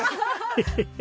ヘヘヘッ。